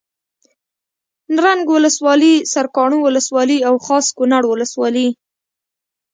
نرنګ ولسوالي سرکاڼو ولسوالي او خاص کونړ ولسوالي